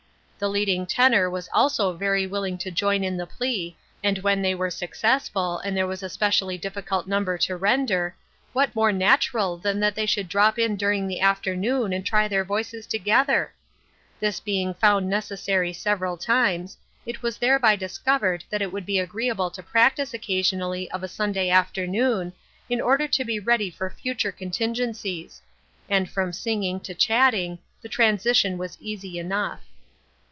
The leading tenor was also very willing to join in the plea, and when they were successful, and there was a specially difficult num ber to render, what more natural than that they should drop in during the afternoon and try their voices together ? This being found necessary several times, it was thereby discovered that it would be agreeable to practice occasionally of a Sunday afternoon, in order to be ready for future contingencies : and from singing to chatting, the transition was easy enough.